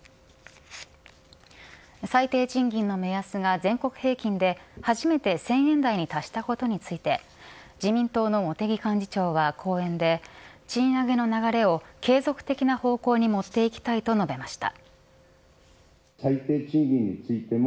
最低賃金の目安が全国平均で初めて１０００円台に達したことについて自民党の茂木幹事長は講演で賃上げの流れを継続的な方向に持っていきたいと述べました。